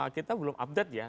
kita belum update ya